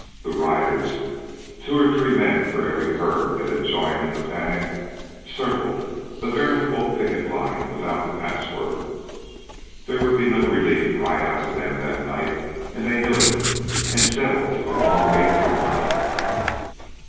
The riders two or three men for every herd that had joined in the panic circled, a veritable picket line without the password. There would be no relief ride out to them that night, and they knew it and settled to the long wait for morning.